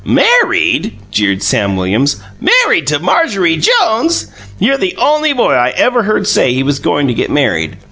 "Married!" jeered Sam Williams. "Married to Marjorie Jones! You're the only boy I ever heard say he was going to get married.